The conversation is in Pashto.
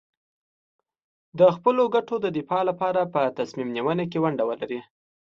د خپلو ګټو د دفاع لپاره په تصمیم نیونه کې ونډه ولري.